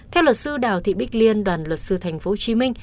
theo luật sư đào thị bích liên đoàn luật sư tp hcm